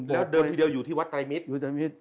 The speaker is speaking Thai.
แล้วเดิมที่เดียวอยู่ที่วัดไตรมิตร